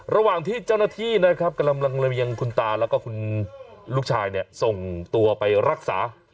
ระหว่างที่เจ้าหน้าที่กำลังระเบียงคุณตาและลูกชายส่งตัวไปรักษา